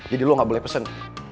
jadi lo gak boleh pesen